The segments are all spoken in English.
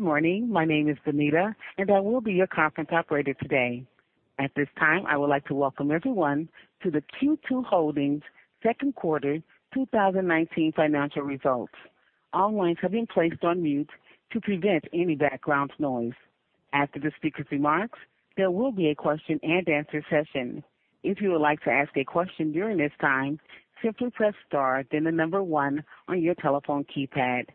Good morning. My name is Danita, and I will be your conference operator today. At this time, I would like to welcome everyone to the Q2 Holdings second quarter 2019 financial results. All lines have been placed on mute to prevent any background noise. After the speaker's remarks, there will be a question and answer session. If you would like to ask a question during this time, simply press star then the number 1 on your telephone keypad.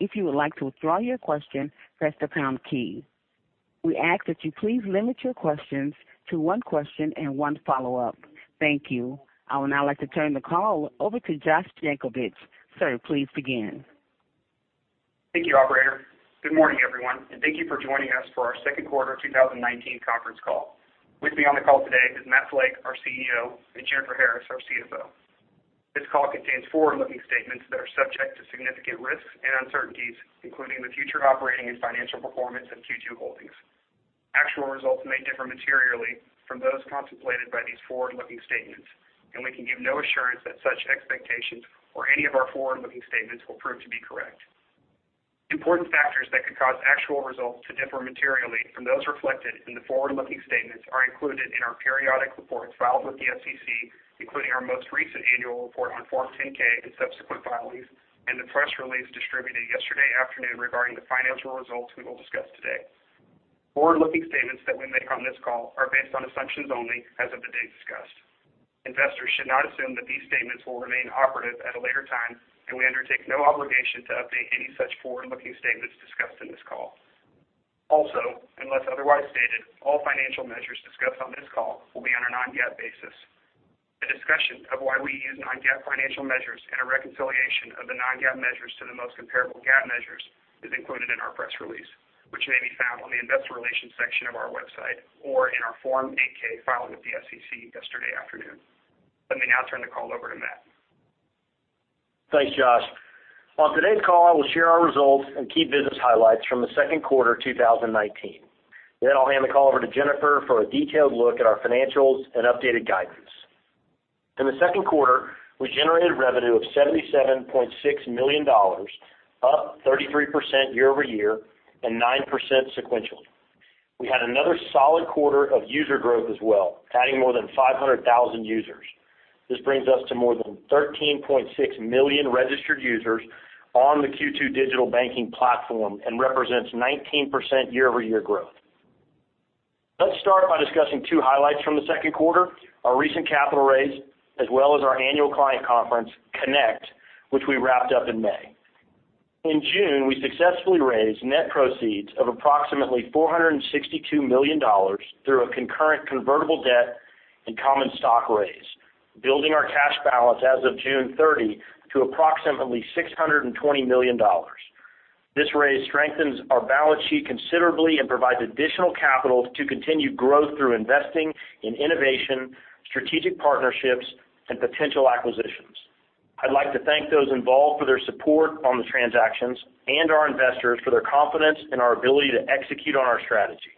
If you would like to withdraw your question, press the pound key. We ask that you please limit your questions to 1 question and 1 follow-up. Thank you. I would now like to turn the call over to Josh Yankovich. Sir, please begin. Thank you, operator. Good morning, everyone. Thank you for joining us for our second quarter 2019 conference call. With me on the call today is Matt Flake, our CEO, and Jennifer Harris, our CFO. This call contains forward-looking statements that are subject to significant risks and uncertainties, including the future operating and financial performance of Q2 Holdings. Actual results may differ materially from those contemplated by these forward-looking statements. We can give no assurance that such expectations or any of our forward-looking statements will prove to be correct. Important factors that could cause actual results to differ materially from those reflected in the forward-looking statements are included in our periodic reports filed with the SEC, including our most recent annual report on Form 10-K and subsequent filings and the press release distributed yesterday afternoon regarding the financial results we will discuss today. Forward-looking statements that we make on this call are based on assumptions only as of the date discussed. Investors should not assume that these statements will remain operative at a later time, and we undertake no obligation to update any such forward-looking statements discussed in this call. Also, unless otherwise stated, all financial measures discussed on this call will be on a non-GAAP basis. A discussion of why we use non-GAAP financial measures and a reconciliation of the non-GAAP measures to the most comparable GAAP measures is included in our press release, which may be found on the investor relations section of our website or in our Form 8-K filed with the SEC yesterday afternoon. Let me now turn the call over to Matt. Thanks, Josh. On today's call, we'll share our results and key business highlights from the second quarter 2019. I'll hand the call over to Jennifer for a detailed look at our financials and updated guidance. In the second quarter, we generated revenue of $77.6 million, up 33% year-over-year and 9% sequentially. We had another solid quarter of user growth as well, adding more than 500,000 users. This brings us to more than 13.6 million registered users on the Q2 digital banking platform and represents 19% year-over-year growth. Let's start by discussing two highlights from the second quarter, our recent capital raise, as well as our annual client conference, CONNECT, which we wrapped up in May. In June, we successfully raised net proceeds of approximately $462 million through a concurrent convertible debt and common stock raise, building our cash balance as of June 30 to approximately $620 million. This raise strengthens our balance sheet considerably and provides additional capital to continue growth through investing in innovation, strategic partnerships, and potential acquisitions. I'd like to thank those involved for their support on the transactions and our investors for their confidence in our ability to execute on our strategy.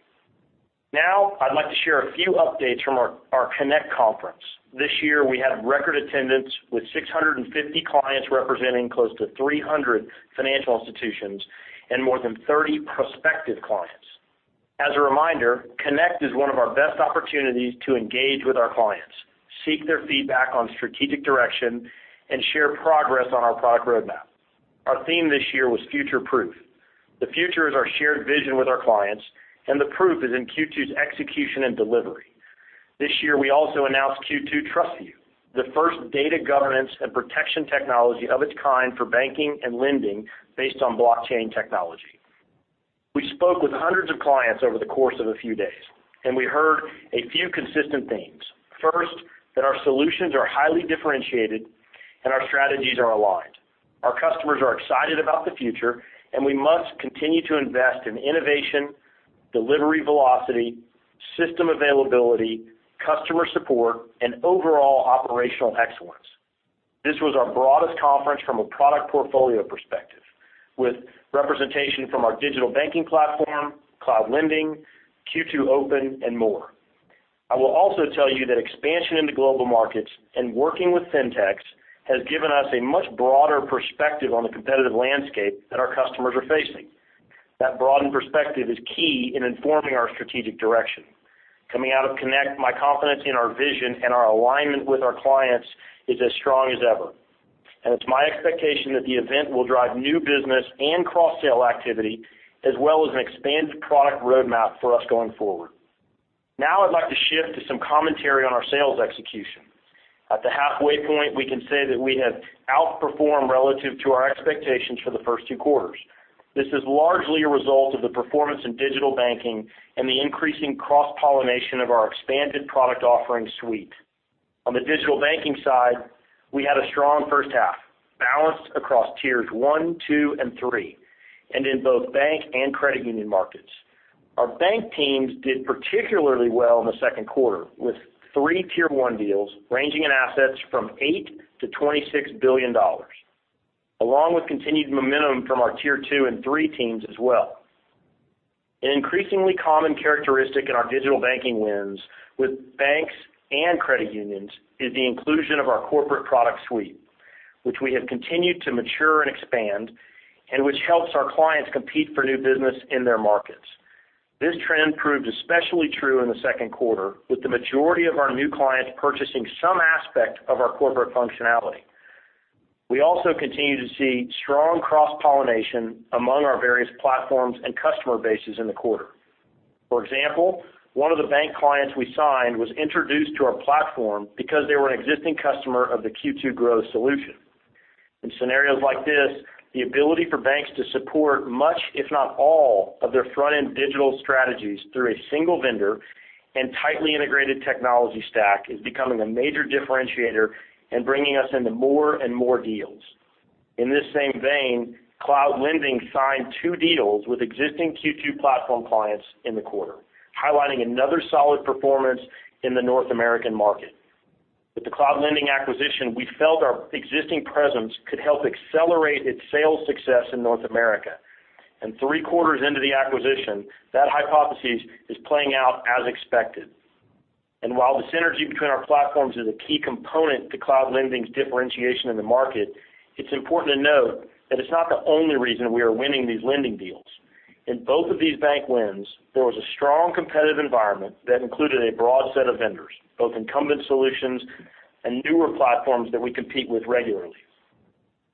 I'd like to share a few updates from our CONNECT conference. This year, we had record attendance with 650 clients representing close to 300 financial institutions and more than 30 prospective clients. As a reminder, CONNECT is one of our best opportunities to engage with our clients, seek their feedback on strategic direction, and share progress on our product roadmap. Our theme this year was future proof. The future is our shared vision with our clients, and the proof is in Q2's execution and delivery. This year, we also announced Q2 TrustView, the first data governance and protection technology of its kind for banking and lending based on blockchain technology. We spoke with hundreds of clients over the course of a few days, and we heard a few consistent themes. First, that our solutions are highly differentiated and our strategies are aligned. Our customers are excited about the future, and we must continue to invest in innovation, delivery velocity, system availability, customer support, and overall operational excellence. This was our broadest conference from a product portfolio perspective, with representation from our digital banking platform, Cloud Lending, Q2 Open, and more. I will also tell you that expansion into global markets and working with fintechs has given us a much broader perspective on the competitive landscape that our customers are facing. That broadened perspective is key in informing our strategic direction. Coming out of CONNECT, my confidence in our vision and our alignment with our clients is as strong as ever. It's my expectation that the event will drive new business and cross-sale activity, as well as an expanded product roadmap for us going forward. Now I'd like to shift to some commentary on our sales execution. At the halfway point, we can say that we have outperformed relative to our expectations for the first two quarters. This is largely a result of the performance in digital banking and the increasing cross-pollination of our expanded product offering suite. On the digital banking side, we had a strong first half, balanced across Tiers 1, 2, and 3, and in both bank and credit union markets. Our bank teams did particularly well in the second quarter, with three Tier 1 deals ranging in assets from $8 billion-$26 billion, along with continued momentum from our Tier 2 and 3 teams as well. An increasingly common characteristic in our digital banking wins with banks and credit unions is the inclusion of our corporate product suite, which we have continued to mature and expand, and which helps our clients compete for new business in their markets. This trend proved especially true in the second quarter, with the majority of our new clients purchasing some aspect of our corporate functionality. We also continue to see strong cross-pollination among our various platforms and customer bases in the quarter. For example, one of the bank clients we signed was introduced to our platform because they were an existing customer of the Q2 Grow solution. In scenarios like this, the ability for banks to support much, if not all, of their front-end digital strategies through a single vendor and tightly integrated technology stack is becoming a major differentiator and bringing us into more and more deals. In this same vein, Cloud Lending signed two deals with existing Q2 platform clients in the quarter, highlighting another solid performance in the North American market. With the Cloud Lending acquisition, we felt our existing presence could help accelerate its sales success in North America. Three quarters into the acquisition, that hypothesis is playing out as expected. While the synergy between our platforms is a key component to Cloud Lending's differentiation in the market, it's important to note that it's not the only reason we are winning these lending deals. In both of these bank wins, there was a strong competitive environment that included a broad set of vendors, both incumbent solutions and newer platforms that we compete with regularly.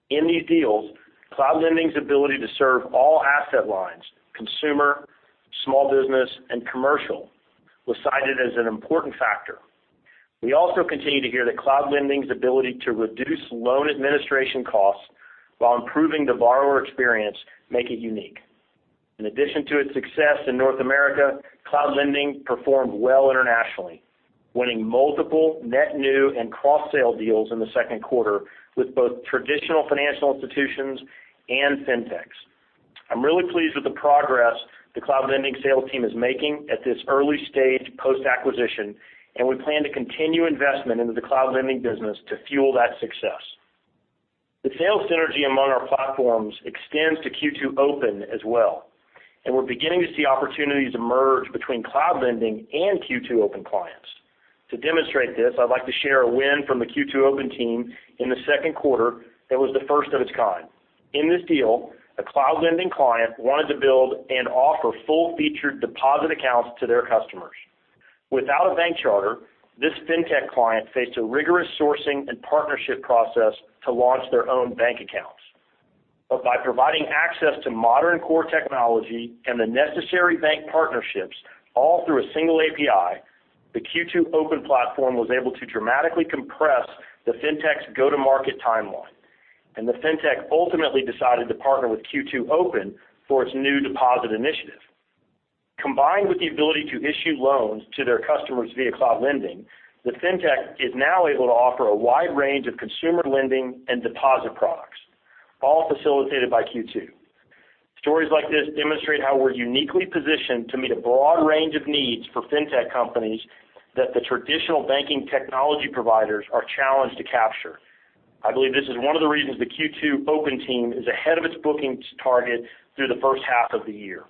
In these deals, Cloud Lending's ability to serve all asset lines, consumer, small business, and commercial, was cited as an important factor. We also continue to hear that Cloud Lending's ability to reduce loan administration costs while improving the borrower experience make it unique. In addition to its success in North America, Cloud Lending performed well internationally, winning multiple net new and cross-sale deals in the second quarter with both traditional financial institutions and fintechs. I'm really pleased with the progress the Cloud Lending sales team is making at this early stage post-acquisition, and we plan to continue investment into the Cloud Lending business to fuel that success. The sales synergy among our platforms extends to Q2 Open as well, and we're beginning to see opportunities emerge between Cloud Lending and Q2 Open clients. To demonstrate this, I'd like to share a win from the Q2 Open team in the second quarter that was the first of its kind. In this deal, a Cloud Lending client wanted to build and offer full-featured deposit accounts to their customers. Without a bank charter, this fintech client faced a rigorous sourcing and partnership process to launch their own bank accounts. By providing access to modern core technology and the necessary bank partnerships, all through a single API, the Q2 Open platform was able to dramatically compress the fintech's go-to-market timeline, and the fintech ultimately decided to partner with Q2 Open for its new deposit initiative. Combined with the ability to issue loans to their customers via Cloud Lending, the fintech is now able to offer a wide range of consumer lending and deposit products, all facilitated by Q2. Stories like this demonstrate how we're uniquely positioned to meet a broad range of needs for fintech companies that the traditional banking technology providers are challenged to capture. I believe this is one of the reasons the Q2 Open team is ahead of its bookings target through the first half of the year.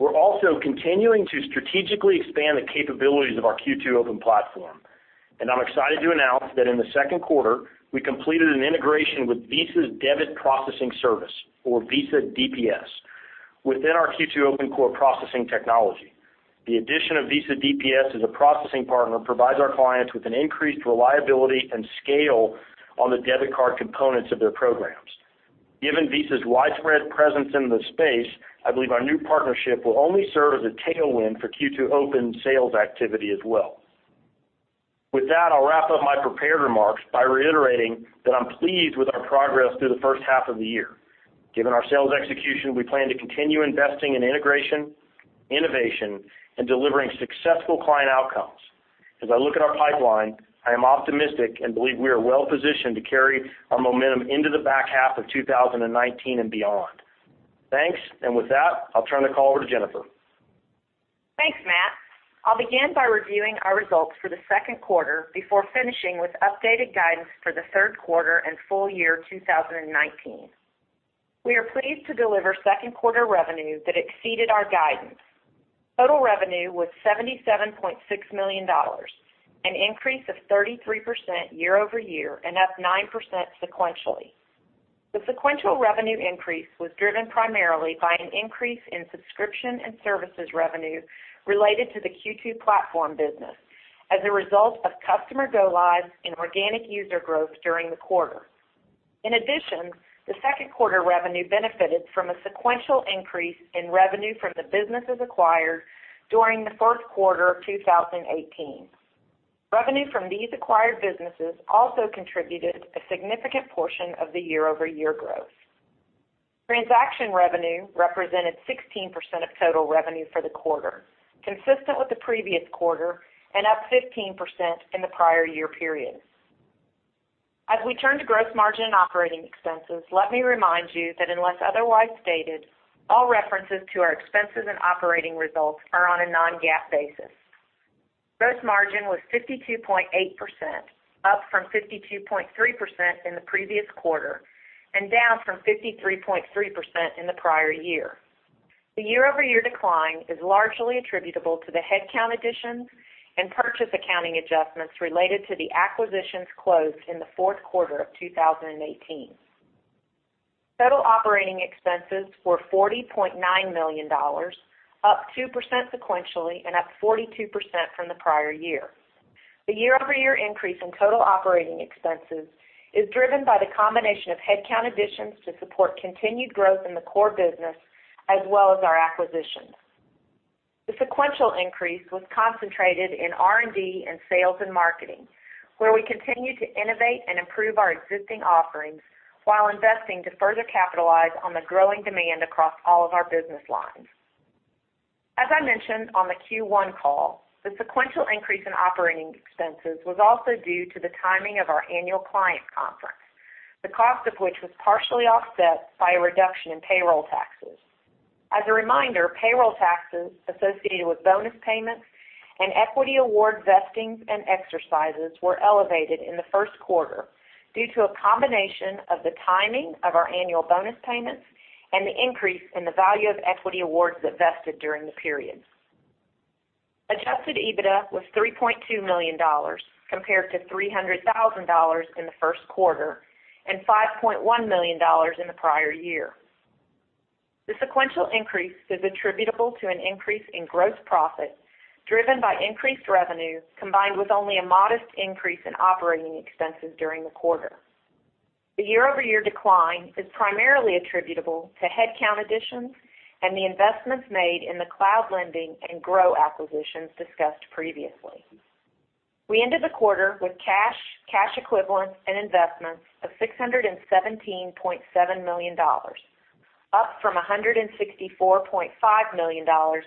We're also continuing to strategically expand the capabilities of our Q2 Open platform, and I'm excited to announce that in the second quarter, we completed an integration with Visa's Debit Processing Service, or Visa DPS, within our Q2 Open core processing technology. The addition of Visa DPS as a processing partner provides our clients with an increased reliability and scale on the debit card components of their programs. Given Visa's widespread presence in the space, I believe our new partnership will only serve as a tailwind for Q2 Open sales activity as well. With that, I'll wrap up my prepared remarks by reiterating that I'm pleased with our progress through the first half of the year. Given our sales execution, we plan to continue investing in integration, innovation, and delivering successful client outcomes. As I look at our pipeline, I am optimistic and believe we are well-positioned to carry our momentum into the back half of 2019 and beyond. Thanks, and with that, I'll turn the call over to Jennifer. Thanks, Matt. I'll begin by reviewing our results for the second quarter before finishing with updated guidance for the third quarter and full year 2019. We are pleased to deliver second quarter revenue that exceeded our guidance. Total revenue was $77.6 million, an increase of 33% year-over-year and up 9% sequentially. The sequential revenue increase was driven primarily by an increase in subscription and services revenue related to the Q2 platform business as a result of customer go-lives and organic user growth during the quarter. In addition, the second quarter revenue benefited from a sequential increase in revenue from the businesses acquired during the first quarter of 2018. Revenue from these acquired businesses also contributed a significant portion of the year-over-year growth. Transaction revenue represented 16% of total revenue for the quarter, consistent with the previous quarter and up 15% in the prior year period. As we turn to gross margin and operating expenses, let me remind you that unless otherwise stated, all references to our expenses and operating results are on a non-GAAP basis. Gross margin was 52.8%, up from 52.3% in the previous quarter, and down from 53.3% in the prior year. The year-over-year decline is largely attributable to the headcount additions and purchase accounting adjustments related to the acquisitions closed in the fourth quarter of 2018. Total operating expenses were $40.9 million, up 2% sequentially and up 42% from the prior year. The year-over-year increase in total operating expenses is driven by the combination of headcount additions to support continued growth in the core business as well as our acquisitions. The sequential increase was concentrated in R&D and sales and marketing, where we continue to innovate and improve our existing offerings while investing to further capitalize on the growing demand across all of our business lines. As I mentioned on the Q1 call, the sequential increase in operating expenses was also due to the timing of our annual client conference, the cost of which was partially offset by a reduction in payroll taxes. As a reminder, payroll taxes associated with bonus payments and equity award vestings and exercises were elevated in the first quarter due to a combination of the timing of our annual bonus payments and the increase in the value of equity awards that vested during the period. Adjusted EBITDA was $3.2 million, compared to $300,000 in the first quarter and $5.1 million in the prior year. The sequential increase is attributable to an increase in gross profit, driven by increased revenue, combined with only a modest increase in operating expenses during the quarter. The year-over-year decline is primarily attributable to headcount additions and the investments made in the Cloud Lending and Grow acquisitions discussed previously. We ended the quarter with cash equivalents, and investments of $617.7 million, up from $164.5 million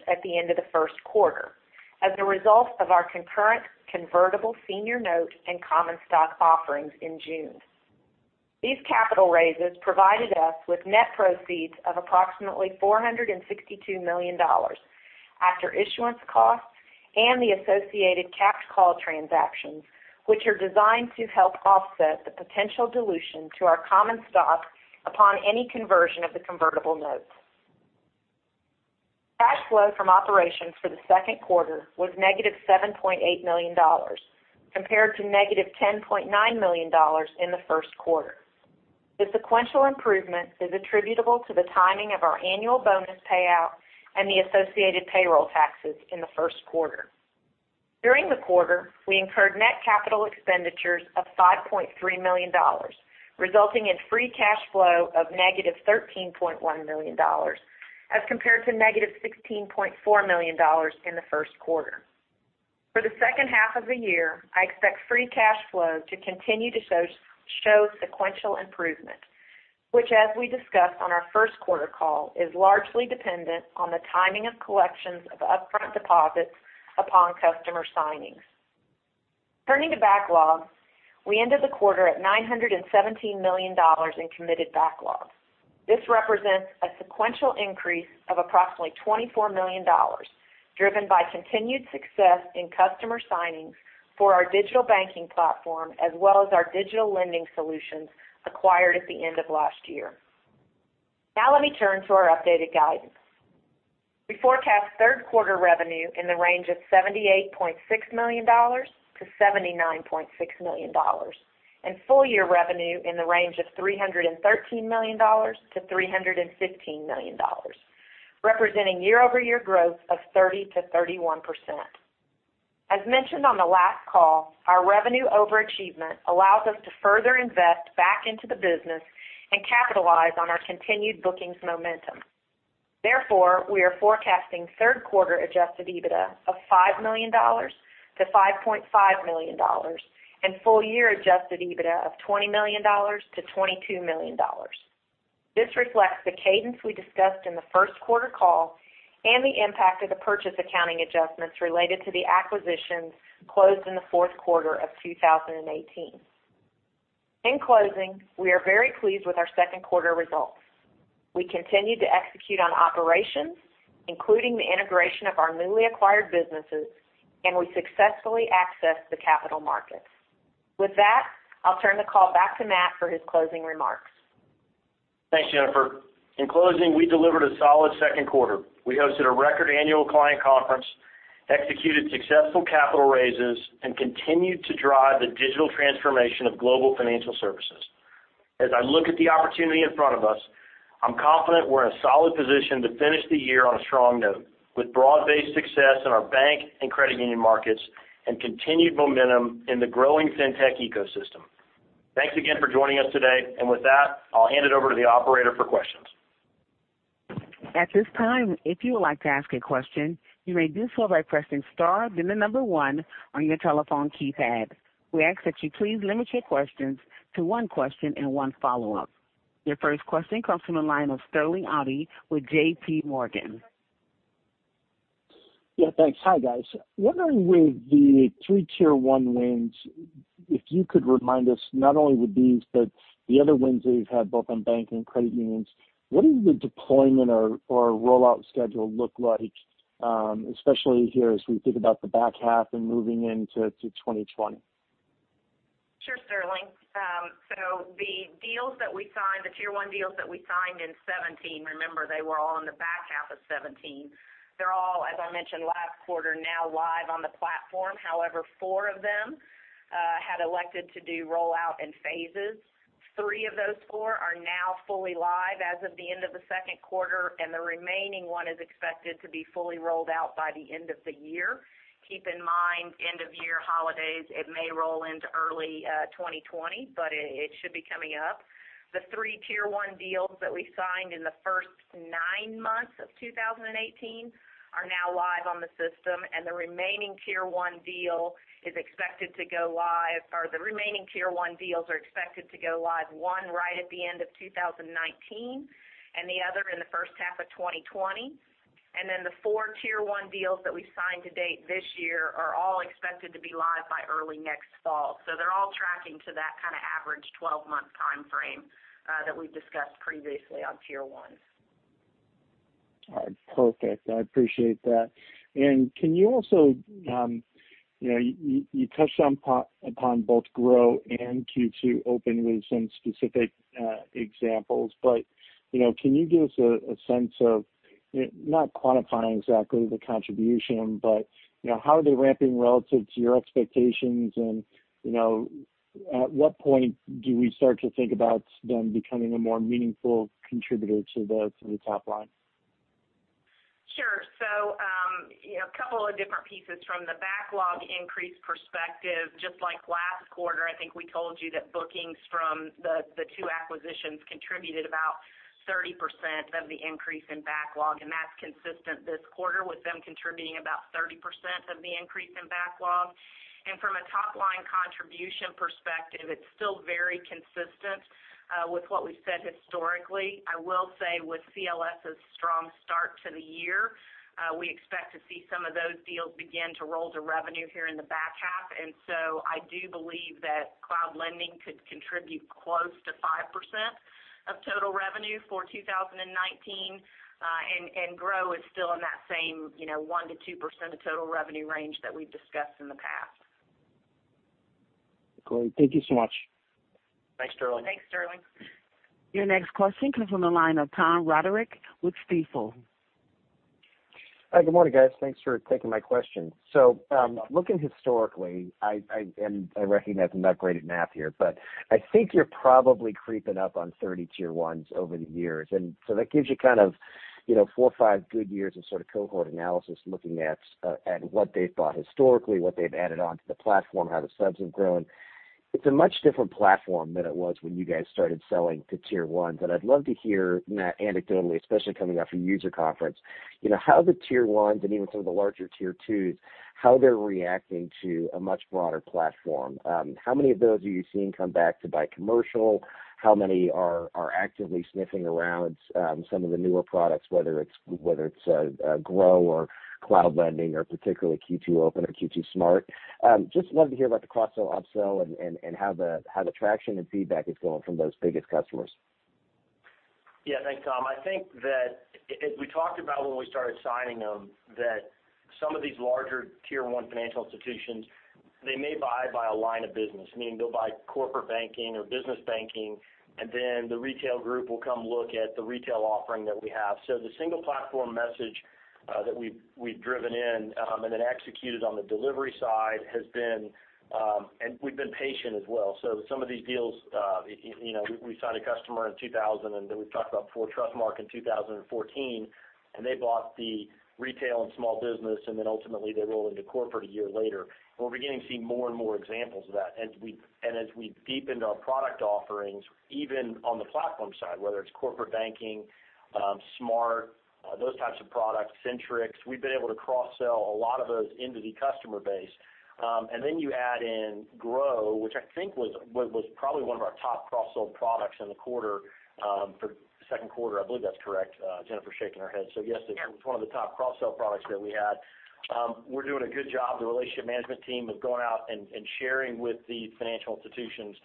at the end of the first quarter, as a result of our concurrent convertible senior note and common stock offerings in June. These capital raises provided us with net proceeds of approximately $462 million after issuance costs and the associated capped call transactions, which are designed to help offset the potential dilution to our common stock upon any conversion of the convertible notes. Cash flow from operations for the second quarter was negative $7.8 million, compared to negative $10.9 million in the first quarter. The sequential improvement is attributable to the timing of our annual bonus payout and the associated payroll taxes in the first quarter. During the quarter, we incurred net capital expenditures of $5.3 million, resulting in free cash flow of negative $13.1 million as compared to negative $16.4 million in the first quarter. For the second half of the year, I expect free cash flow to continue to show sequential improvement, which, as we discussed on our first quarter call, is largely dependent on the timing of collections of upfront deposits upon customer signings. Turning to backlog, we ended the quarter at $917 million in committed backlog. This represents a sequential increase of approximately $24 million, driven by continued success in customer signings for our digital banking platform as well as our digital lending solutions acquired at the end of last year. Let me turn to our updated guidance. We forecast third quarter revenue in the range of $78.6 million-$79.6 million and full year revenue in the range of $313 million-$315 million, representing year-over-year growth of 30%-31%. As mentioned on the last call, our revenue overachievement allows us to further invest back into the business and capitalize on our continued bookings momentum. We are forecasting third quarter adjusted EBITDA of $5 million-$5.5 million and full year adjusted EBITDA of $20 million-$22 million. This reflects the cadence we discussed in the first quarter call and the impact of the purchase accounting adjustments related to the acquisitions closed in the fourth quarter of 2018. In closing, we are very pleased with our second quarter results. We continue to execute on operations, including the integration of our newly acquired businesses, and we successfully accessed the capital markets. With that, I'll turn the call back to Matt for his closing remarks. Thanks, Jennifer. In closing, we delivered a solid second quarter. We hosted a record annual client conference, executed successful capital raises, and continued to drive the digital transformation of global financial services. As I look at the opportunity in front of us, I'm confident we're in a solid position to finish the year on a strong note, with broad-based success in our bank and credit union markets and continued momentum in the growing fintech ecosystem. Thanks again for joining us today. With that, I'll hand it over to the operator for questions. At this time, if you would like to ask a question, you may do so by pressing star then the number one on your telephone keypad. We ask that you please limit your questions to one question and one follow-up. Your first question comes from the line of Sterling Auty with J.P. Morgan. Yeah, thanks. Hi, guys. Wondering with the three Tier 1 wins, if you could remind us, not only with these, but the other wins that you've had both on banking and credit unions, what does the deployment or rollout schedule look like, especially here as we think about the back half and moving into 2020? Sure, Sterling. The Tier 1 deals that we signed in 2017, remember, they were all in the back half of 2017. They're all, as I mentioned last quarter, now live on the platform. However, four of them had elected to do rollout in phases. Three of those four are now fully live as of the end of the second quarter, and the remaining one is expected to be fully rolled out by the end of the year. Keep in mind, end-of-year holidays, it may roll into early 2020, but it should be coming up. The three Tier 1 deals that we signed in the first nine months of 2018 are now live on the system, and the remaining Tier 1 deals are expected to go live, one right at the end of 2019 and the other in the first half of 2020. The 4 Tier 1 deals that we've signed to date this year are all expected to be live by early next fall. They're all tracking to that kind of average 12-month timeframe that we've discussed previously on Tier 1. All right. Perfect. I appreciate that. You touched upon both Grow and Q2 Open with some specific examples, but can you give us a sense of, not quantifying exactly the contribution, but how are they ramping relative to your expectations, and at what point do we start to think about them becoming a more meaningful contributor to the top line? Sure. A couple of different pieces. From the backlog increase perspective, just like last quarter, I think we told you that bookings from the two acquisitions contributed about 30% of the increase in backlog, and that's consistent this quarter with them contributing about 30% of the increase in backlog. From a top-line contribution perspective, it's still very consistent with what we've said historically. I will say with Cloud Lending's strong start to the year, we expect to see some of those deals begin to roll to revenue here in the back half. I do believe that Cloud Lending could contribute close to 5% of total revenue for 2019, and Grow is still in that same 1%-2% of total revenue range that we've discussed in the past. Great. Thank you so much. Thanks, Sterling. Thanks, Sterling. Your next question comes from the line of Tom Roderick with Stifel. Hi. Good morning, guys. Thanks for taking my question. Looking historically, and I recognize I'm not great at math here, but I think you're probably creeping up on 30 Tier 1s over the years. That gives you four or five good years of sort of cohort analysis, looking at what they've bought historically, what they've added onto the platform, how the subs have grown. It's a much different platform than it was when you guys started selling to Tier 1. I'd love to hear anecdotally, especially coming off your user conference, how the Tier 1s and even some of the larger Tier 2s, how they're reacting to a much broader platform. How many of those are you seeing come back to buy commercial? How many are actively sniffing around some of the newer products, whether it's Grow or cloud lending or particularly Q2 Open or Q2 SMART? Just love to hear about the cross-sell, up-sell and how the traction and feedback is going from those biggest customers. Thanks, Tom. I think that we talked about when we started signing them, that some of these larger Tier 1 financial institutions, they may buy by a line of business, meaning they'll buy corporate banking or business banking, and then the retail group will come look at the retail offering that we have. We've been patient as well. Some of these deals, we signed a customer in 2000, and then we've talked about for Trustmark in 2014, and they bought the retail and small business, and then ultimately they roll into corporate a year later. We're beginning to see more and more examples of that. As we've deepened our product offerings, even on the platform side, whether it's corporate banking, Q2 SMART, those types of products, Centrix, we've been able to cross-sell a lot of those into the customer base. You add in Q2 Grow, which I think was probably one of our top cross-sell products in the quarter for the second quarter. I believe that's correct. Jennifer's shaking her head. Yeah it's one of the top cross-sell products that we had. We're doing a good job. The relationship management team is going out and sharing with the financial institutions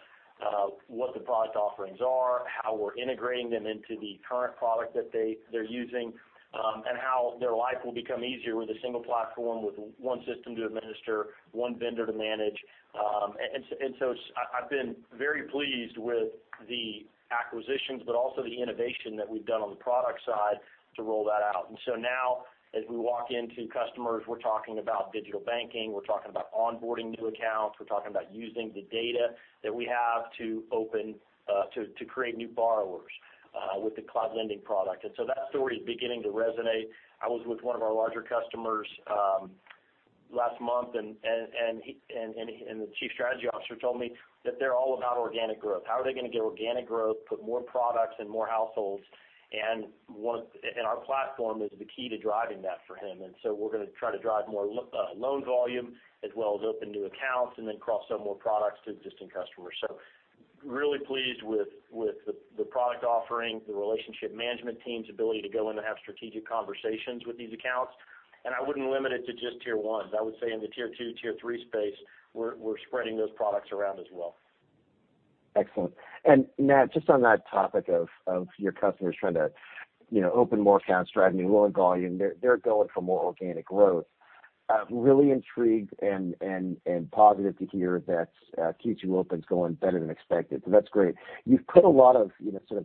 what the product offerings are, how we're integrating them into the current product that they're using, and how their life will become easier with a single platform, with one system to administer, one vendor to manage. I've been very pleased with the acquisitions, but also the innovation that we've done on the product side to roll that out. Now as we walk into customers, we're talking about digital banking. We're talking about onboarding new accounts. We're talking about using the data that we have to create new borrowers with the Cloud Lending product. That story is beginning to resonate. I was with one of our larger customers last month, the chief strategy officer told me that they're all about organic growth. How are they going to get organic growth, put more products in more households? Our platform is the key to driving that for him. We're going to try to drive more loan volume as well as open new accounts and then cross-sell more products to existing customers. Really pleased with the product offering, the relationship management team's ability to go in and have strategic conversations with these accounts. I wouldn't limit it to just tier ones. I would say in the tier 2, tier 3 space, we're spreading those products around as well. Excellent. Matt, just on that topic of your customers trying to open more accounts, driving new loan volume, they're going for more organic growth. I'm really intrigued and positive to hear that Q2 Open's going better than expected. That's great. You've put a lot of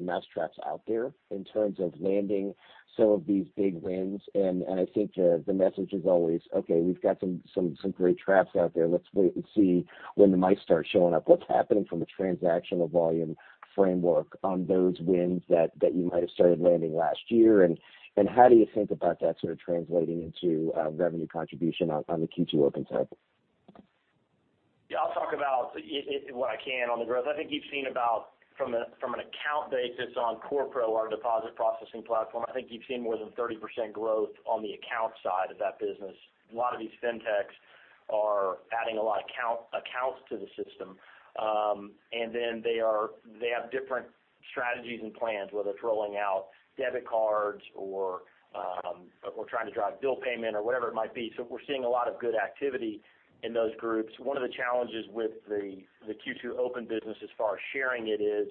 mousetraps out there in terms of landing some of these big wins. I think the message is always, okay, we've got some great traps out there. Let's wait and see when the mice start showing up. What's happening from a transactional volume framework on those wins that you might have started landing last year? How do you think about that sort of translating into revenue contribution on the Q2 Open side? Yeah, I'll talk about what I can on the growth. I think you've seen about, from an account basis on CorePro, our deposit processing platform, I think you've seen more than 30% growth on the account side of that business. A lot of these fintechs are adding a lot of accounts to the system, and then they have different strategies and plans, whether it's rolling out debit cards or trying to drive bill payment or whatever it might be. We're seeing a lot of good activity in those groups. One of the challenges with the Q2 Open business as far as sharing it is,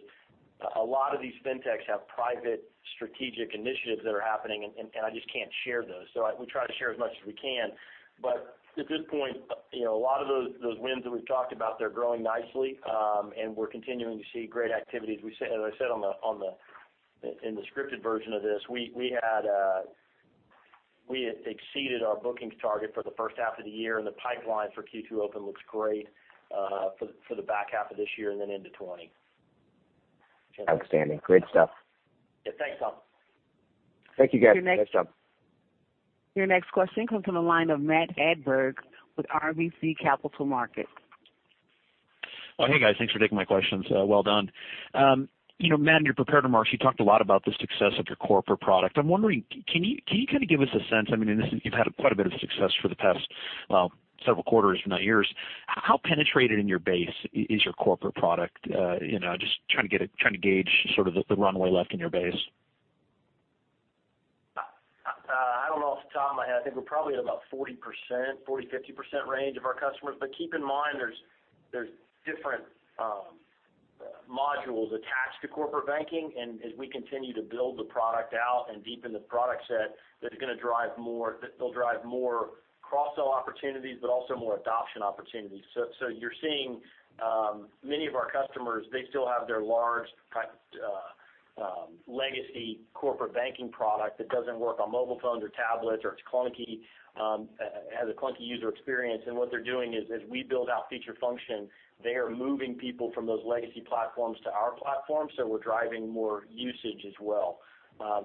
a lot of these fintechs have private strategic initiatives that are happening, and I just can't share those. We try to share as much as we can. At this point, a lot of those wins that we've talked about, they're growing nicely, and we're continuing to see great activity. As I said in the scripted version of this, we had exceeded our bookings target for the first half of the year, and the pipeline for Q2 Open looks great for the back half of this year and then into 2020. Outstanding. Great stuff. Yeah. Thanks, Tom. Thank you, guys. Your next- Nice job. Your next question comes from the line of Matt Hedberg with RBC Capital Markets. Hey guys, thanks for taking my questions. Well done. Matt, in your prepared remarks, you talked a lot about the success of your corporate product. I'm wondering, can you kind of give us a sense, I mean, and this, you've had quite a bit of success for the past several quarters, if not years. How penetrated in your base is your corporate product? Just trying to gauge sort of the runway left in your base. I don't know off the top of my head. I think we're probably at about 40%-50% range of our customers. Keep in mind, there's different modules attached to corporate banking. As we continue to build the product out and deepen the product set, they'll drive more cross-sell opportunities, but also more adoption opportunities. You're seeing many of our customers, they still have their large legacy corporate banking product that doesn't work on mobile phones or tablets, or it's clunky, has a clunky user experience. What they're doing is, as we build out feature function, they are moving people from those legacy platforms to our platform. We're driving more usage as well.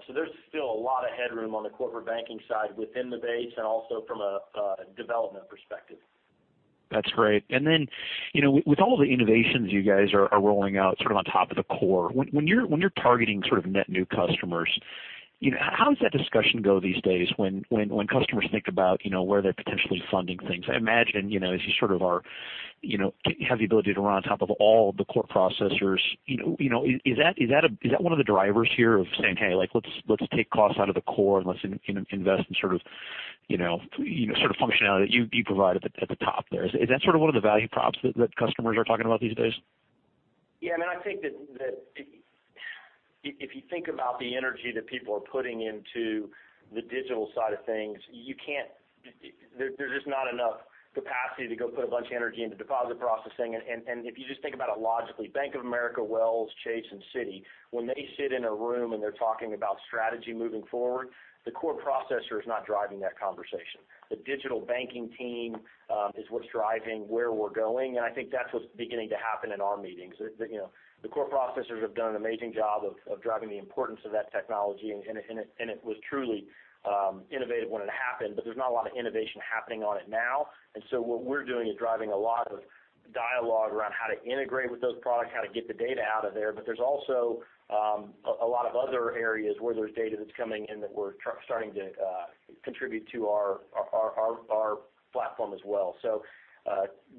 There's still a lot of headroom on the corporate banking side within the base and also from a development perspective. That's great. With all the innovations you guys are rolling out sort of on top of the core, when you're targeting sort of net new customers, how does that discussion go these days when customers think about where they're potentially funding things? I imagine, as you sort of have the ability to run on top of all the core processors, is that one of the drivers here of saying, "Hey, let's take costs out of the core, and let's invest in sort of functionality" you provide at the top there? Is that sort of one of the value props that customers are talking about these days? Yeah, I mean, I think that if you think about the energy that people are putting into the digital side of things, there's just not enough capacity to go put a bunch of energy into deposit processing. If you just think about it logically, Bank of America, Wells, Chase, and Citi, when they sit in a room and they're talking about strategy moving forward, the core processor is not driving that conversation. The digital banking team is what's driving where we're going, and I think that's what's beginning to happen in our meetings. The core processors have done an amazing job of driving the importance of that technology, and it was truly innovative when it happened, but there's not a lot of innovation happening on it now. What we're doing is driving a lot of dialogue around how to integrate with those products, how to get the data out of there. There's also a lot of other areas where there's data that's coming in that we're starting to contribute to our platform as well.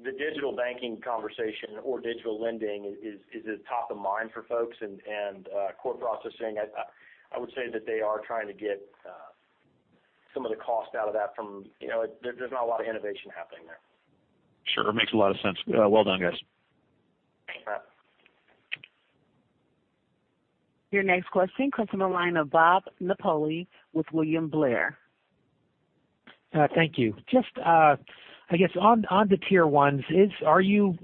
The digital banking conversation or digital lending is top of mind for folks. Core processing, I would say that they are trying to get some of the cost out of that. There's not a lot of innovation happening there. Sure. Makes a lot of sense. Well done, guys. Sure. Your next question comes from the line of Bob Napoli with William Blair. Thank you. Just, I guess, on the tier ones, are you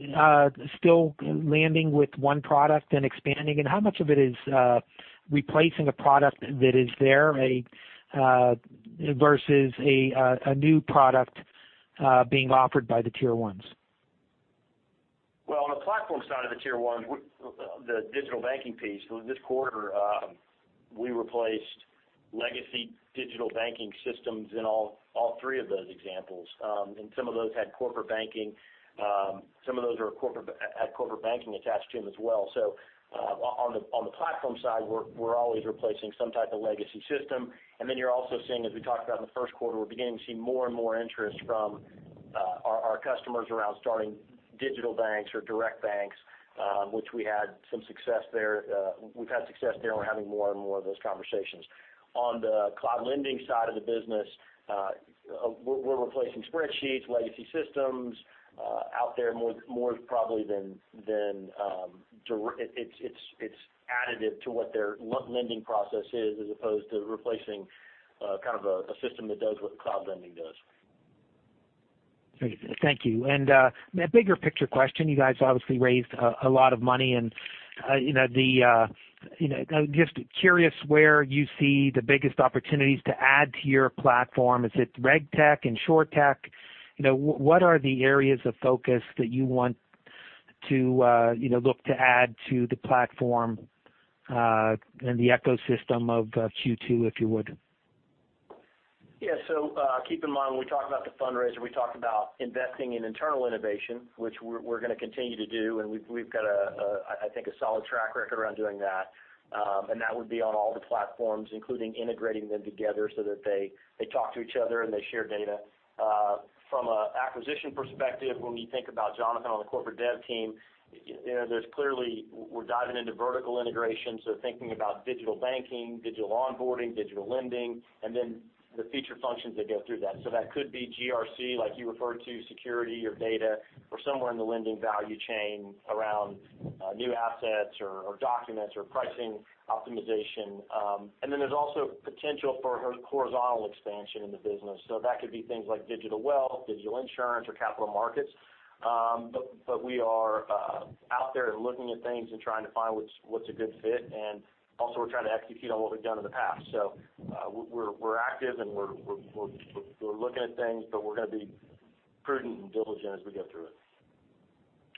still landing with one product, then expanding? How much of it is replacing a product that is there versus a new product being offered by the tier ones? Well, on the platform side of the tier 1, the digital banking piece, this quarter, we replaced legacy digital banking systems in all three of those examples. Some of those had corporate banking. Some of those had corporate banking attached to them as well. On the platform side, we're always replacing some type of legacy system. You're also seeing, as we talked about in the first quarter, we're beginning to see more and more interest from our customers around starting digital banks or direct banks which we've had success there, and we're having more and more of those conversations. On the Cloud Lending side of the business, we're replacing spreadsheets, legacy systems out there more probably than it's additive to what their lending process is as opposed to replacing a system that does what Cloud Lending does. Great. Thank you. A bigger picture question, you guys obviously raised a lot of money in. Just curious where you see the biggest opportunities to add to your platform. Is it RegTech, Insurtech? What are the areas of focus that you want to look to add to the platform, and the ecosystem of Q2, if you would? Yeah. Keep in mind, when we talk about the fundraiser, we talk about investing in internal innovation, which we're going to continue to do. We've got, I think, a solid track record around doing that. That would be on all the platforms, including integrating them together so that they talk to each other, and they share data. From an acquisition perspective, when we think about Jonathan on the corporate dev team, there's clearly we're diving into vertical integration, so thinking about digital banking, digital onboarding, digital lending, and then the feature functions that go through that. That could be GRC, like you referred to, security or data, or somewhere in the lending value chain around new assets or documents or pricing optimization. Then there's also potential for horizontal expansion in the business. That could be things like digital wealth, digital insurance, or capital markets. We are out there looking at things and trying to find what's a good fit. Also we're trying to execute on what we've done in the past. We're active, and we're looking at things, but we're going to be prudent and diligent as we go through it.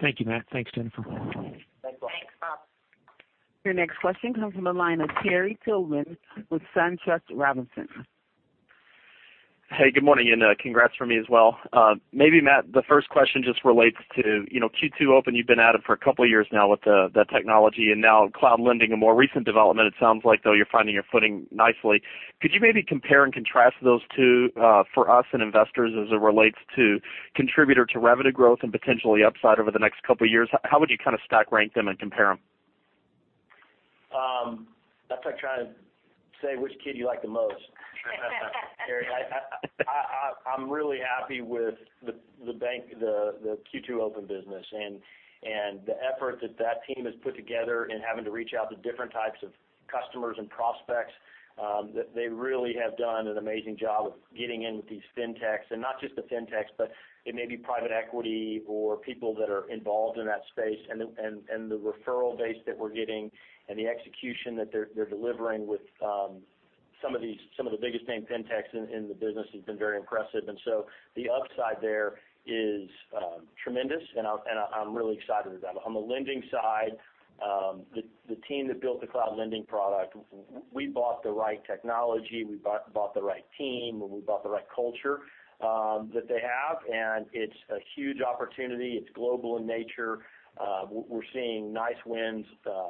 Thank you, Matt. Thanks, Jennifer. Thanks, Bob. Thanks, Bob. Your next question comes from the line of Terry Tillman with SunTrust Robinson. Hey, good morning, congrats from me as well. Maybe Matt, the first question just relates to Q2 Open. You've been at it for a couple of years now with the technology now Cloud Lending, a more recent development. It sounds like, though, you're finding your footing nicely. Could you maybe compare and contrast those two for us and investors as it relates to contributor to revenue growth and potentially upside over the next couple of years? How would you kind of stack rank them and compare them? That's like trying to say which kid you like the most. Terry, I'm really happy with the Q2 Open business and the effort that that team has put together in having to reach out to different types of customers and prospects. They really have done an amazing job of getting in with these fintechs, and not just the fintechs, but it may be private equity or people that are involved in that space. The referral base that we're getting and the execution that they're delivering with some of the biggest name fintechs in the business has been very impressive. The upside there is tremendous, and I'm really excited about it. On the lending side, the team that built the Cloud Lending product, we bought the right technology, we bought the right team, and we bought the right culture that they have, and it's a huge opportunity. It's global in nature. We're seeing nice wins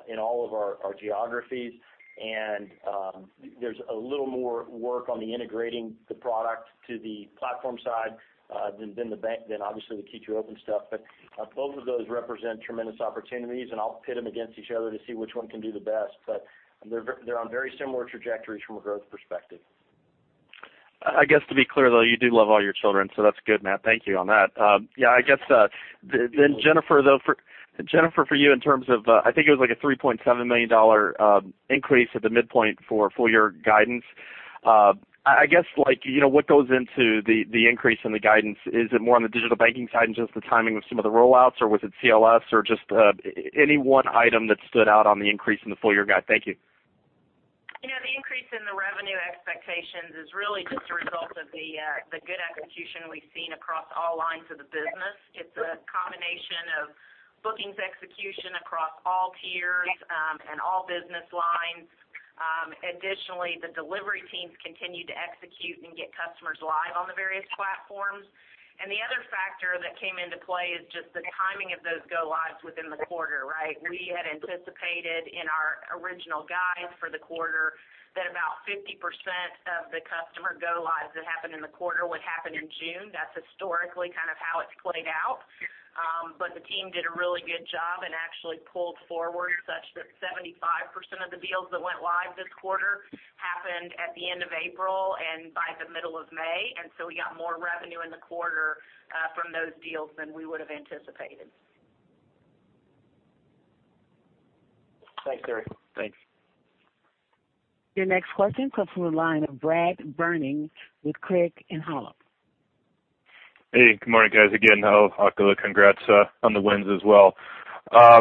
in all of our geographies. There's a little more work on the integrating the product to the platform side than obviously the Q2 Open stuff. Both of those represent tremendous opportunities, and I'll pit them against each other to see which one can do the best. They're on very similar trajectories from a growth perspective. I guess to be clear, though, you do love all your children, so that's good, Matt. Thank you on that. Jennifer, for you, in terms of, I think it was like a $3.7 million increase at the midpoint for full-year guidance. I guess what goes into the increase in the guidance? Is it more on the digital banking side and just the timing of some of the rollouts, or was it CLS, or just any one item that stood out on the increase in the full-year guide? Thank you. The increase in the revenue expectations is really just a result of the good execution we've seen across all lines of the business. It's a combination of bookings execution across all tiers and all business lines. Additionally, the delivery teams continue to execute and get customers live on the various platforms. The other factor that came into play is just the timing of those go-lives within the quarter, right? We had anticipated in our original guide for the quarter that about 50% of the customer go-lives that happened in the quarter would happen in June. That's historically kind of how it's played out. The team did a really good job and actually pulled forward such that 75% of the deals that went live this quarter happened at the end of April and by the middle of May. We got more revenue in the quarter from those deals than we would have anticipated. Thanks, Terry. Thanks. Your next question comes from the line of Brad Berning with Craig-Hallum. Hey, good morning, guys. Congrats on the wins as well. I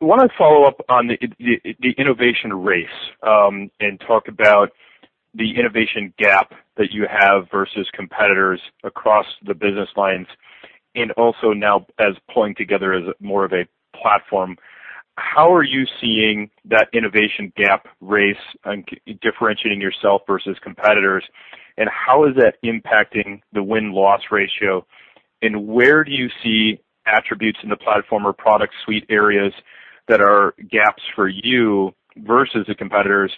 want to follow up on the innovation race, and talk about the innovation gap that you have versus competitors across the business lines, and also now as pulling together as more of a platform. How are you seeing that innovation gap race and differentiating yourself versus competitors? How is that impacting the win-loss ratio? Where do you see attributes in the platform or product suite areas that are gaps for you versus the competitors?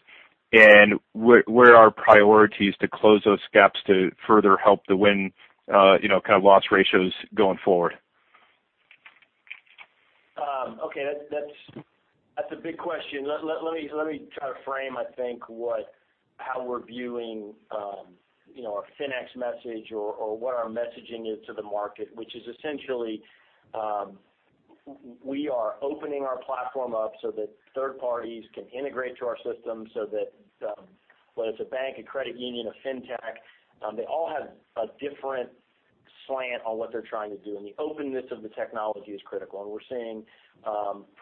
Where are priorities to close those gaps to further help the win kind of loss ratios going forward? Okay. That's a big question. Let me try to frame, I think, how we're viewing our FinTech message or what our messaging is to the market, which is essentially, we are opening our platform up so that third parties can integrate to our system so that whether it's a bank, a credit union, a FinTech, they all have a different slant on what they're trying to do, and the openness of the technology is critical. We're seeing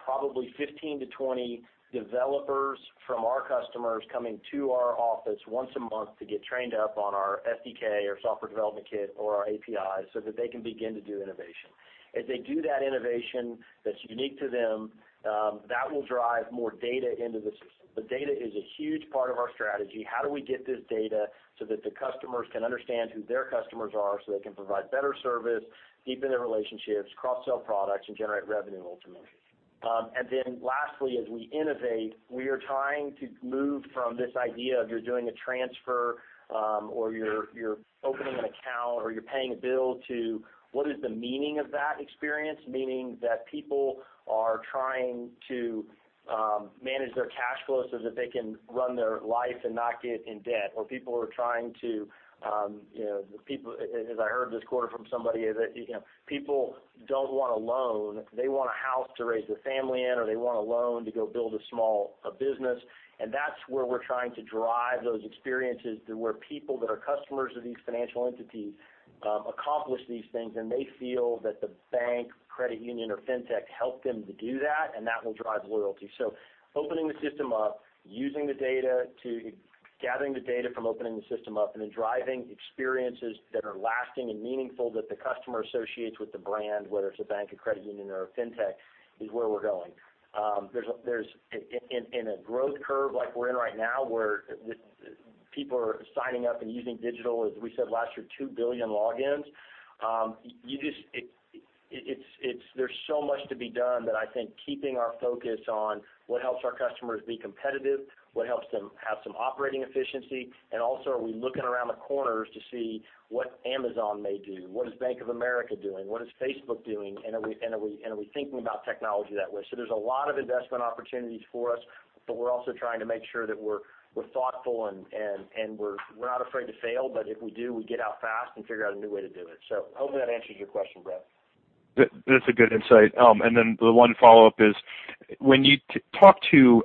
probably 15 to 20 developers from our customers coming to our office once a month to get trained up on our SDK or software development kit or our APIs so that they can begin to do innovation. As they do that innovation that's unique to them, that will drive more data into the system. The data is a huge part of our strategy. How do we get this data so that the customers can understand who their customers are, so they can provide better service, deepen their relationships, cross-sell products, and generate revenue ultimately? Lastly, as we innovate, we are trying to move from this idea of you're doing a transfer, or you're opening an account, or you're paying a bill to what is the meaning of that experience, meaning that people are trying to manage their cash flow so that they can run their life and not get in debt. People are trying to, as I heard this quarter from somebody, is that people don't want a loan. They want a house to raise their family in, or they want a loan to go build a small business. That's where we're trying to drive those experiences to where people that are customers of these financial entities accomplish these things. They feel that the bank, credit union, or FinTech helped them to do that, and that will drive loyalty. Opening the system up, gathering the data from opening the system up, and then driving experiences that are lasting and meaningful that the customer associates with the brand, whether it's a bank, a credit union, or a FinTech, is where we're going. In a growth curve like we're in right now, where people are signing up and using digital, as we said last year, 2 billion logins. There's so much to be done that I think keeping our focus on what helps our customers be competitive, what helps them have some operating efficiency, and also, are we looking around the corners to see what Amazon may do? What is Bank of America doing? What is Facebook doing? Are we thinking about technology that way? There's a lot of investment opportunities for us, but we're also trying to make sure that we're thoughtful and we're not afraid to fail. If we do, we get out fast and figure out a new way to do it. Hopefully, that answers your question, Brad. That's a good insight. The one follow-up is, when you talk to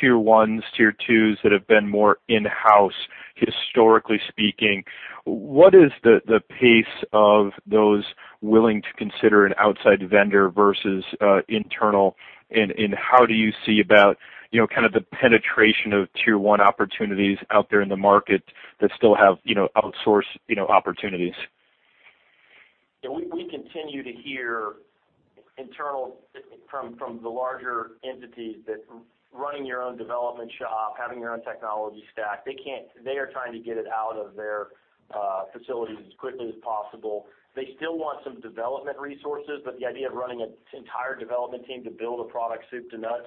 tier 1s, tier 2s that have been more in-house, historically speaking, what is the pace of those willing to consider an outside vendor versus internal, and how do you see about kind of the penetration of tier 1 opportunities out there in the market that still have outsource opportunities? We continue to hear internal from the larger entities that running your own development shop, having your own technology stack, they are trying to get it out of their facilities as quickly as possible. They still want some development resources, the idea of running an entire development team to build a product soup to nuts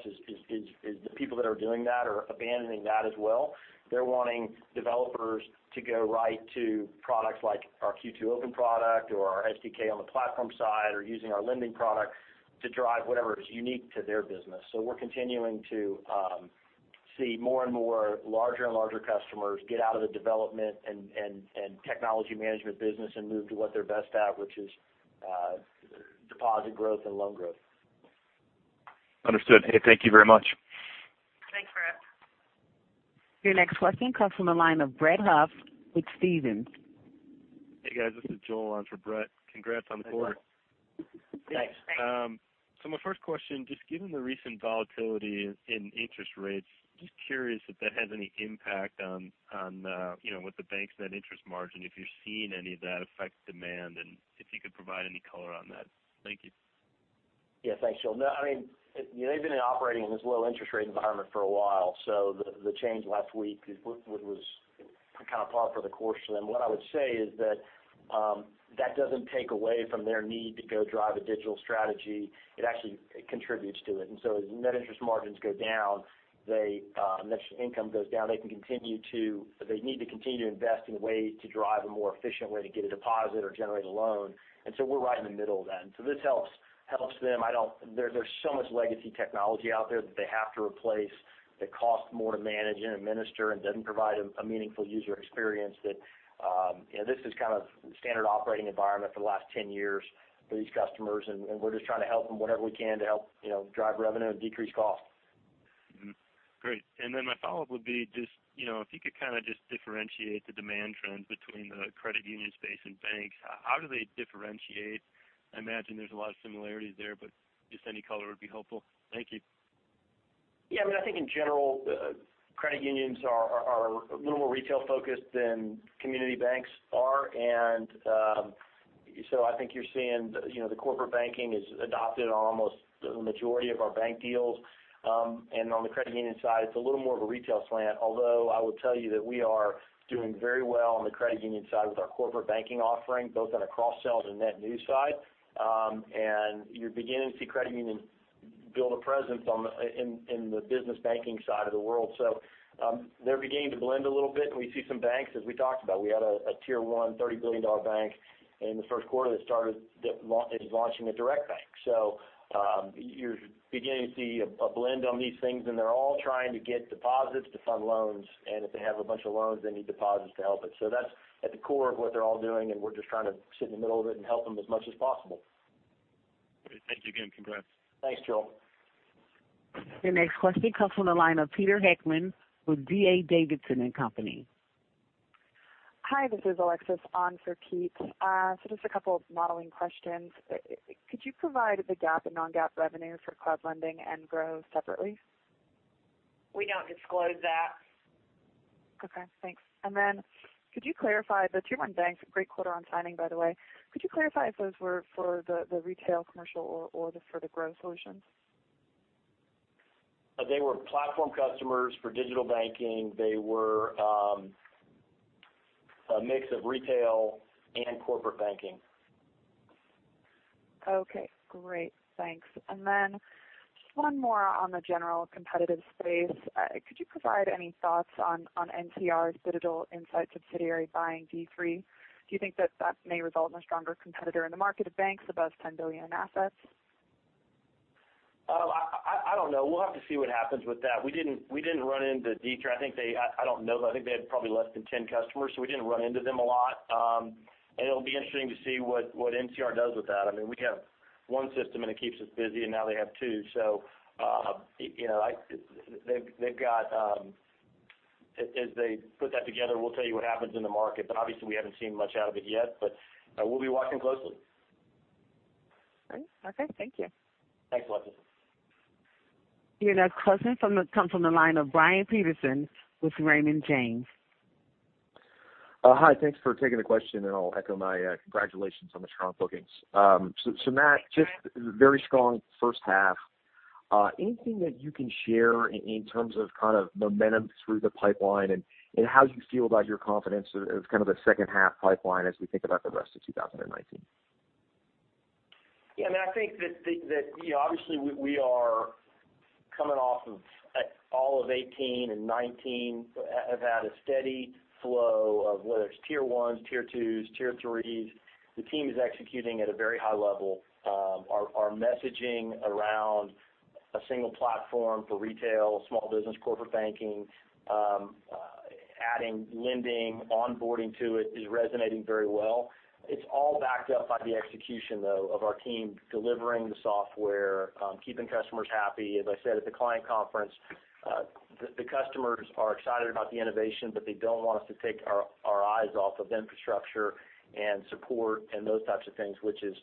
is the people that are doing that are abandoning that as well. They're wanting developers to go right to products like our Q2 Open product or our SDK on the platform side, or using our lending product to drive whatever is unique to their business. We're continuing to see more and more larger and larger customers get out of the development and technology management business and move to what they're best at, which is deposit growth and loan growth. Understood. Hey, thank you very much. Thanks, Brad. Your next question comes from the line of Brett Huff with Stephens. Hey, guys. This is Joel on for Brett. Congrats on the quarter. Thanks. Thanks. My first question, just given the recent volatility in interest rates, just curious if that has any impact on with the banks, net interest margin, if you're seeing any of that affect demand, and if you could provide any color on that. Thank you. Yeah. Thanks, Joel. They've been operating in this low interest rate environment for a while, so the change last week was kind of par for the course for them. What I would say is that that doesn't take away from their need to go drive a digital strategy. It actually contributes to it. As net interest margins go down, net income goes down. They need to continue to invest in ways to drive a more efficient way to get a deposit or generate a loan. We're right in the middle of that. This helps them. There's so much legacy technology out there that they have to replace that cost more to manage and administer and doesn't provide a meaningful user experience. This is kind of standard operating environment for the last 10 years for these customers, and we're just trying to help them whatever we can to help drive revenue and decrease cost. Great. Then my follow-up would be just if you could kind of just differentiate the demand trend between the credit union space and banks, how do they differentiate? I imagine there's a lot of similarities there, but just any color would be helpful. Thank you. Yeah. I think in general, credit unions are a little more retail-focused than community banks are. I think you're seeing the corporate banking is adopted on almost the majority of our bank deals. On the credit union side, it's a little more of a retail slant, although I would tell you that we are doing very well on the credit union side with our corporate banking offering, both on a cross-sell to net new side. You're beginning to see credit unions build a presence in the business banking side of the world. They're beginning to blend a little bit, and we see some banks, as we talked about. We had a tier 1 $30 billion bank in the first quarter that is launching a direct bank. You're beginning to see a blend on these things, and they're all trying to get deposits to fund loans. If they have a bunch of loans, they need deposits to help it. That's at the core of what they're all doing, and we're just trying to sit in the middle of it and help them as much as possible. Great. Thank you again. Congrats. Thanks, Joel. Your next question comes from the line of Peter Heckmann with D.A. Davidson & Co. Hi, this is Alexis on for Pete. Just a couple of modeling questions. Could you provide the GAAP and non-GAAP revenue for Cloud Lending and Grow separately? We don't disclose that. Okay, thanks. Could you clarify the tier 1 banks, great quarter on signing by the way? Could you clarify if those were for the retail, commercial, or for the Q2 Grow solutions? They were platform customers for digital banking. They were a mix of retail and corporate banking. Okay, great. Thanks. Then just one more on the general competitive space. Could you provide any thoughts on NCR's Digital Insight subsidiary buying D3? Do you think that that may result in a stronger competitor in the market of banks above $10 billion in assets? I don't know. We'll have to see what happens with that. We didn't run into D3. I don't know, but I think they had probably less than 10 customers, so we didn't run into them a lot. It'll be interesting to see what NCR does with that. We have one system, and it keeps us busy, and now they have two. As they put that together, we'll tell you what happens in the market. Obviously, we haven't seen much out of it yet, but we'll be watching closely. Great. Okay, thank you. Thanks, Alexis. Your next question comes from the line of Brian Peterson with Raymond James. Hi. Thanks for taking the question, and I'll echo my congratulations on the strong bookings. Matt, just very strong first half. Anything that you can share in terms of kind of momentum through the pipeline, and how you feel about your confidence of kind of the second half pipeline as we think about the rest of 2019? Yeah, I think that obviously, we are coming off of all of 2018 and 2019, have had a steady flow of whether it's tier 1s, tier 2s, tier 3s. The team is executing at a very high level. Our messaging around a single platform for retail, small business, corporate banking, adding lending, onboarding to it, is resonating very well. It's all backed up by the execution, though, of our team delivering the software, keeping customers happy. As I said at the client conference, the customers are excited about the innovation, but they don't want us to take our eyes off of infrastructure and support and those types of things, which in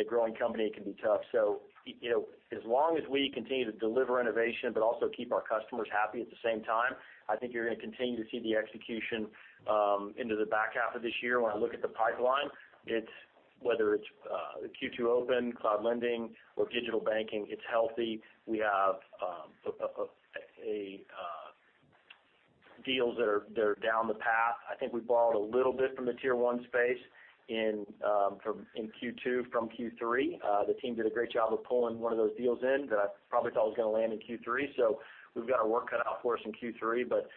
a growing company, it can be tough. As long as we continue to deliver innovation but also keep our customers happy at the same time, I think you're going to continue to see the execution into the back half of this year. When I look at the pipeline, whether it's the Q2 Open, Cloud Lending, or digital banking, it's healthy. We have deals that are down the path. I think we borrowed a little bit from the tier 1 space in Q2 from Q3. The team did a great job of pulling one of those deals in that I probably thought was going to land in Q3. We've got our work cut out for us in Q3, but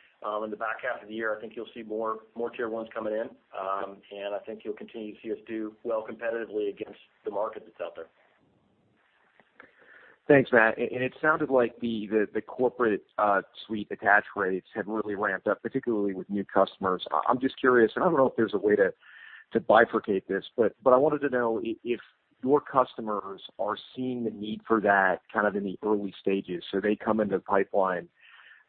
in the back half of the year, I think you'll see more tier 1s coming in. I think you'll continue to see us do well competitively against the market that's out there. Thanks, Matt. It sounded like the corporate suite attach rates have really ramped up, particularly with new customers. I'm just curious, and I don't know if there's a way to bifurcate this, but I wanted to know if your customers are seeing the need for that kind of in the early stages. They come into the pipeline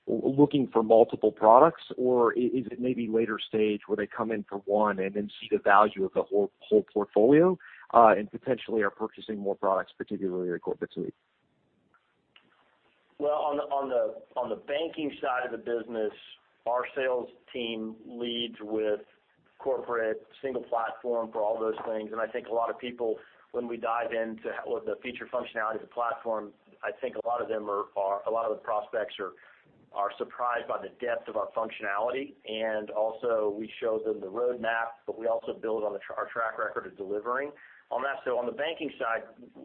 looking for multiple products, or is it maybe later stage where they come in for one and then see the value of the whole portfolio, and potentially are purchasing more products, particularly your corporate suite? Well, on the banking side of the business, our sales team leads with corporate single platform for all those things. I think a lot of people, when we dive into the feature functionality of the platform, I think a lot of the prospects are surprised by the depth of our functionality. Also, we show them the roadmap, but we also build on our track record of delivering on that. On the banking side,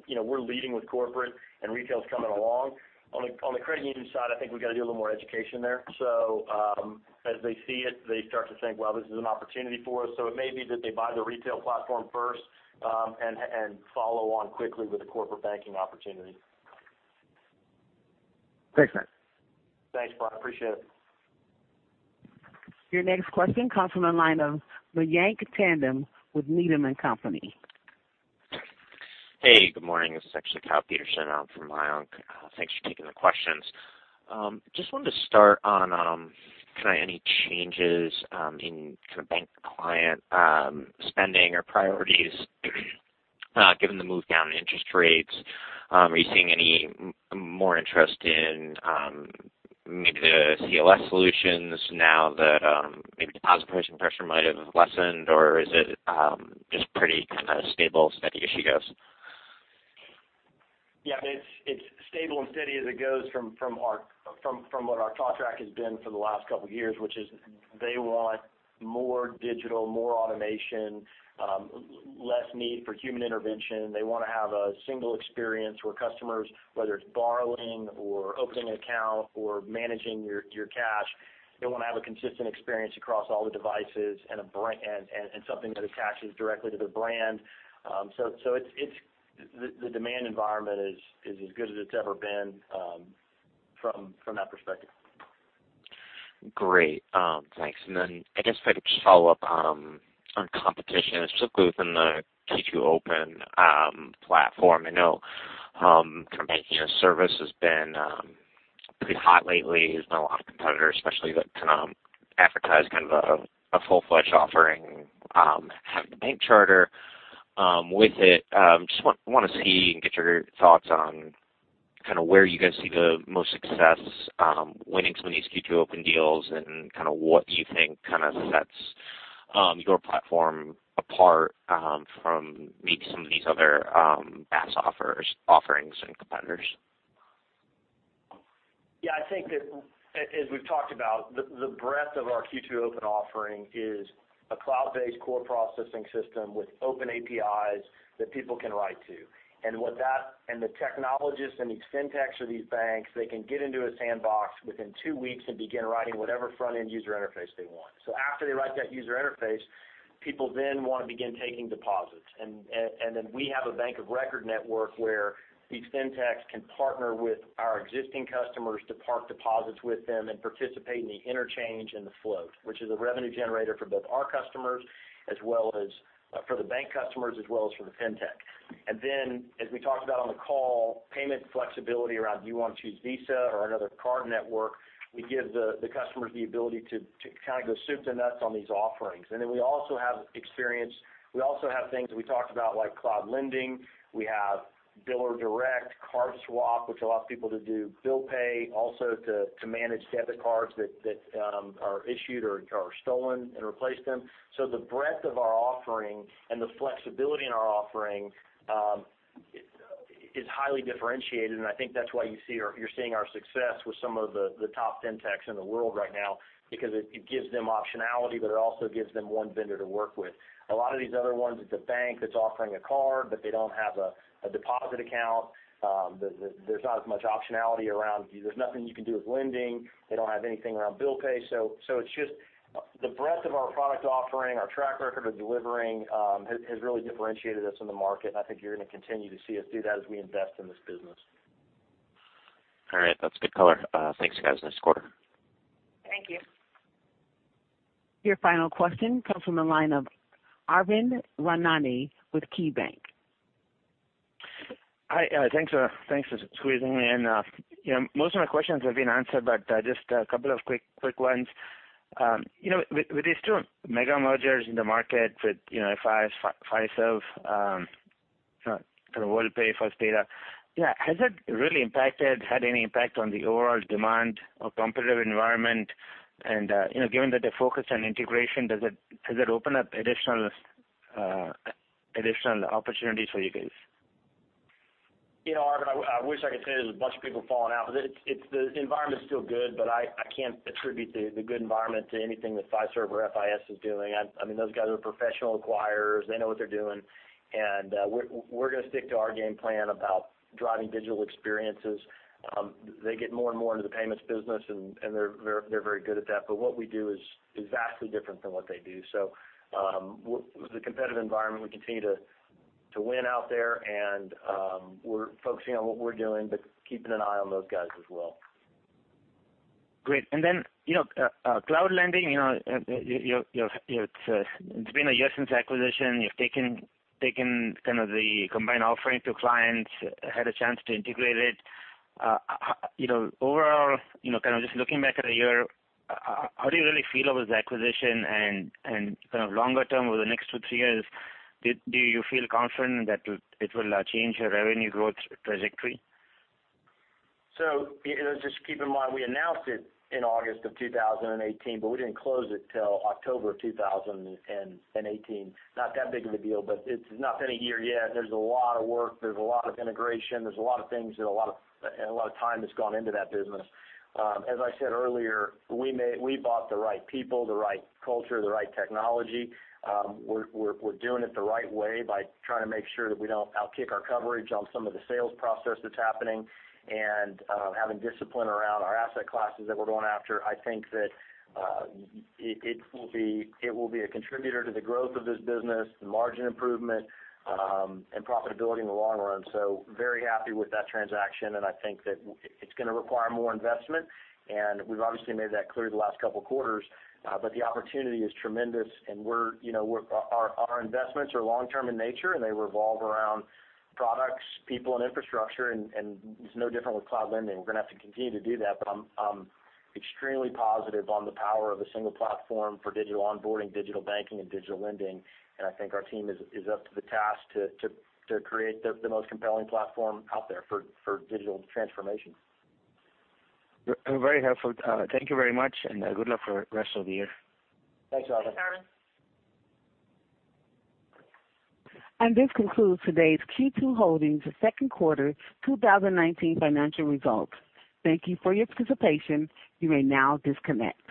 we're leading with corporate, and retail's coming along. On the credit union side, I think we've got to do a little more education there. As they see it, they start to think, well, this is an opportunity for us. It may be that they buy the retail platform first, and follow on quickly with the corporate banking opportunity. Thanks, Matt. Thanks, Brian. Appreciate it. Your next question comes from the line of Mayank Tandon with Needham & Company. Hey, good morning. This is actually Kyle Peterson on for Mayank. Thanks for taking the questions. Just wanted to start on any changes in bank client spending or priorities Given the move down in interest rates, are you seeing any more interest in maybe the CLS solutions now that maybe deposit pricing pressure might have lessened, or is it just pretty stable, steady as she goes? Yeah. It's stable and steady as it goes from what our talk track has been for the last couple of years, which is they want more digital, more automation, less need for human intervention. They want to have a single experience where customers, whether it's borrowing or opening an account or managing your cash, they want to have a consistent experience across all the devices and something that attaches directly to their brand. The demand environment is as good as it's ever been from that perspective. Great. Thanks. I guess if I could just follow up on competition, specifically within the Q2 Open platform. I know kind of banking-as-a-service has been pretty hot lately. There's been a lot of competitors, especially that can advertise kind of a full-fledged offering, have the bank charter with it. Just want to see and get your thoughts on where you guys see the most success winning some of these Q2 Open deals and what you think sets your platform apart from maybe some of these other BaaS offerings and competitors. Yeah, I think that, as we've talked about, the breadth of our Q2 Open offering is a cloud-based core processing system with open APIs that people can write to. The technologists in these fintechs or these banks, they can get into a sandbox within two weeks and begin writing whatever front-end user interface they want. After they write that user interface, people then want to begin taking deposits. We have a bank of record network where these fintechs can partner with our existing customers to park deposits with them and participate in the interchange and the float, which is a revenue generator for both our customers, for the bank customers, as well as for the fintech. As we talked about on the call, payment flexibility around do you want to choose Visa or another card network, we give the customers the ability to kind of go soup to nuts on these offerings. We also have experience. We also have things that we talked about, like Cloud Lending. We have biller direct, card swap, which allows people to do bill pay, also to manage debit cards that are issued or are stolen and replace them. The breadth of our offering and the flexibility in our offering is highly differentiated, and I think that's why you're seeing our success with some of the top fintechs in the world right now, because it gives them optionality, but it also gives them one vendor to work with. A lot of these other ones, it's a bank that's offering a card, but they don't have a deposit account. There's not as much optionality around. There's nothing you can do with lending. They don't have anything around bill pay. It's just the breadth of our product offering, our track record of delivering has really differentiated us in the market, and I think you're going to continue to see us do that as we invest in this business. All right. That's good color. Thanks, guys. Nice quarter. Thank you. Your final question comes from the line of Arvind Ramnani with KeyBanc. Hi. Thanks for squeezing me in. Most of my questions have been answered, but just a couple of quick ones. With these two mega mergers in the market with Fiserv, kind of Worldpay, First Data, has it really had any impact on the overall demand or competitive environment? Given that the focus on integration, does it open up additional opportunities for you guys? Arvind Ramnani, I wish I could say there's a bunch of people falling out. The environment's still good, but I can't attribute the good environment to anything that Fiserv or FIS is doing. Those guys are professional acquirers. They know what they're doing, and we're going to stick to our game plan about driving digital experiences. They get more and more into the payments business, and they're very good at that. What we do is vastly different from what they do. The competitive environment, we continue to win out there, and we're focusing on what we're doing, but keeping an eye on those guys as well. Great. Cloud Lending, it's been a year since acquisition. You've taken kind of the combined offering to clients, had a chance to integrate it. Overall, kind of just looking back at a year, how do you really feel about the acquisition and kind of longer term, over the next two, three years, do you feel confident that it will change your revenue growth trajectory? Just keep in mind, we announced it in August of 2018, but we didn't close it till October of 2018. Not that big of a deal, but it's not been a year yet. There's a lot of work. There's a lot of integration. There's a lot of things and a lot of time that's gone into that business. As I said earlier, we bought the right people, the right culture, the right technology. We're doing it the right way by trying to make sure that we don't outkick our coverage on some of the sales process that's happening and having discipline around our asset classes that we're going after. I think that it will be a contributor to the growth of this business, the margin improvement, and profitability in the long run. Very happy with that transaction, and I think that it's going to require more investment, and we've obviously made that clear the last couple of quarters. The opportunity is tremendous, and our investments are long-term in nature, and they revolve around products, people, and infrastructure, and it's no different with Cloud Lending. We're going to have to continue to do that. I'm extremely positive on the power of a single platform for digital onboarding, digital banking, and digital lending, and I think our team is up to the task to create the most compelling platform out there for digital transformation. Very helpful. Thank you very much, and good luck for the rest of the year. Thanks, Arvind. Thanks, Arvind. This concludes today's Q2 Holdings second quarter 2019 financial results. Thank you for your participation. You may now disconnect.